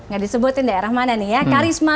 gak disebutin daerah mana nih ya karisma